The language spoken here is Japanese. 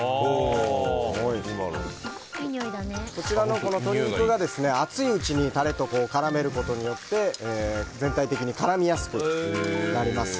こちらの鶏肉が熱いうちにタレと絡めることによって全体的に絡みやすくなります。